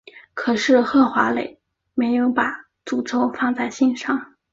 可是赫华勒没有把诅咒放在心上。